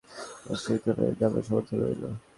প্রস্তাবিত পরিবর্তনে আমার সমর্থন রইলো।